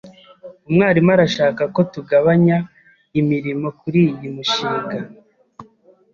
Umwarimu arashaka ko tugabanya imirimo kuriyi mushinga.